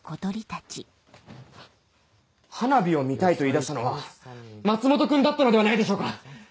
花火を見たいと言いだしたのは松本君だったのではないでしょうか